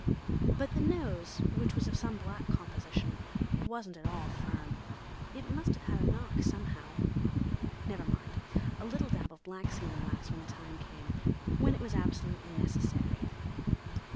But the nose, which was of some black composition, wasn't at all firm. It must have had a knock, somehow. Never mind—a little dab of black sealing wax when the time came—when it was absolutely necessary....